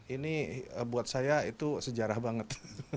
ini buat saya itu sejarah banget